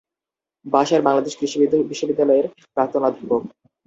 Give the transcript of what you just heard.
বাসার বাংলাদেশ কৃষি বিশ্ববিদ্যালয়ের প্রাক্তন অধ্যাপক।